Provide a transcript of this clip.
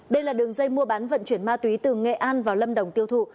đây là đường dây mua bán vận chuyển ma túy từ nghệ an vào lâm đồng tiêu thụ